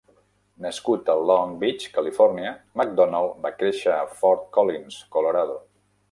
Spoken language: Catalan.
Nascut a Long Beach, Califòrnia, McDonald va créixer a Fort Collins, Colorado.